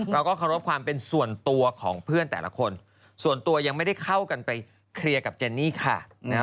เราก็เคารพความเป็นส่วนตัวของเพื่อนแต่ละคนส่วนตัวยังไม่ได้เข้ากันไปเคลียร์กับเจนนี่ค่ะนะฮะ